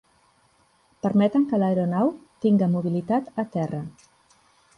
Permeten que l'aeronau tinga mobilitat a terra.